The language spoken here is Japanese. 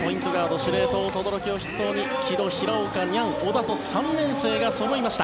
司令塔轟を筆頭に城戸、平岡、ニャン、小田と３年生がそろいました。